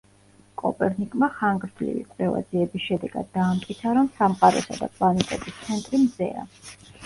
კოპერნიკმა ხანგრძლივი კვლევა-ძიების შედეგად დაამტკიცა, რომ სამყაროსა და პლანეტების ცენტრი მზეა.